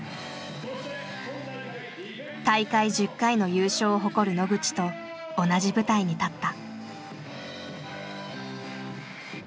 大会１０回の優勝を誇る野口と同じ舞台に立った。